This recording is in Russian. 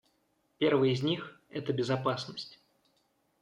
Первый из них — это безопасность.